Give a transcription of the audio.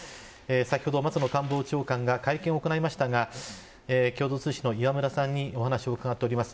先ほど松野官房長官が会見を行いましたが共同通信の磐村さんにお話を伺っております。